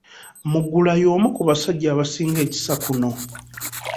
Mugula y'omu ku basajja abasinga ekisa kuno.